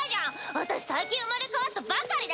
私最近生まれ変わったばかりだし！